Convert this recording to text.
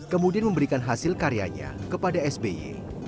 kemudian memberikan hasil karyanya kepada sby